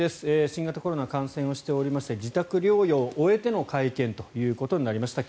新型コロナに感染をしておりまして自宅療養を終えての会見ということになりました。